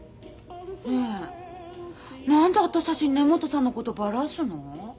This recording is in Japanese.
ねえ何で私たちに根本さんのことバラすの？